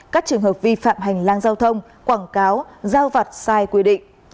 các trường hợp vi phạm hành lang giao thông quảng cáo giao vặt sai quy định